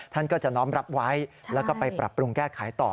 ท่านก็จะน้อมรับไว้แล้วก็ไปปรับปรุงแก้ไขต่อ